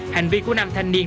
hành vi của nam thanh niên